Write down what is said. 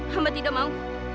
hamba tidak mau